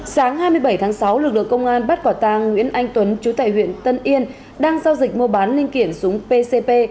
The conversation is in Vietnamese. sáng hai mươi bảy tháng sáu lực lượng công an bắt quả tàng nguyễn anh tuấn chú tại huyện tân yên đang giao dịch mua bán linh kiện súng pcp